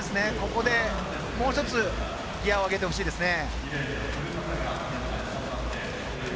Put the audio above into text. ここで、もう一つギアを上げてほしいですね。